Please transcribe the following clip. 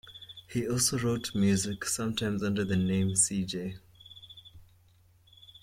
He also wrote music, sometimes under the name C. J.